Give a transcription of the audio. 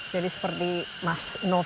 jadi seperti mas nona